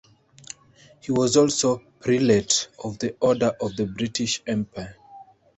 He was also Prelate of the Order of the British Empire.